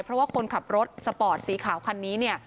เพราะว่าคนขับรถสปอร์ตสีขาวคันนี้เนี่ย